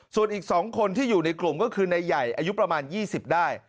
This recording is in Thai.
ส่วนอีก๒คนที่อยู่ในกลุ่มก็คือนายใหญ่อายุประมาณ๒๐ได้